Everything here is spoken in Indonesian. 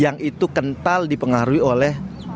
yang itu kental dipengaruhi oleh